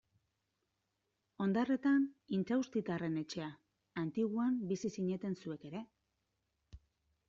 Ondarretan Intxaustitarren etxea, Antiguan bizi zineten zuek ere.